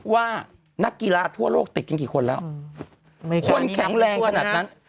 ว่านักกีฬาทั่วโลกติดกันกี่คนแล้วคนแข็งแรงขนาดนั้น